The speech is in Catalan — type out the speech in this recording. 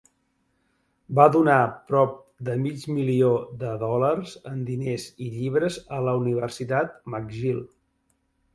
Va donar prop de mig milió de dòlars en diners i llibres a la Universitat McGill.